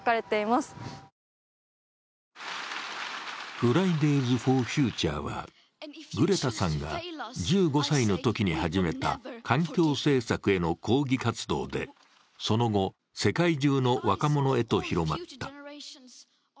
ＦｒｉｄａｙｓＦｏｒＦｕｔｕｒｅは、グレタさんが１５歳のときに始めた環境政策への抗議活動で、その後、世界中の若者へと広がった。